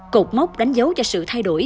cột mốc đánh dấu cho sự thay đổi